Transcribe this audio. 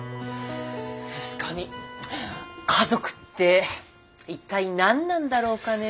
確かに家族って一体何なんだろうかねえ。